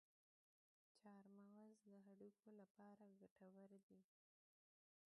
چارمغز د هډوکو لپاره ګټور دی.